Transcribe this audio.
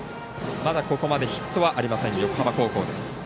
まだ、ここまでヒットはありません横浜高校です。